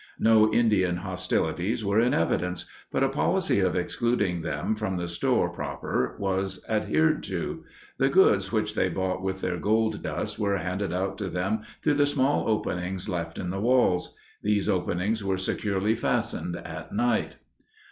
No Indian hostilities were in evidence, but a policy of excluding them from the store proper was adhered to. The goods which they bought with their gold dust were handed out to them through small openings left in the walls. These openings were securely fastened at night.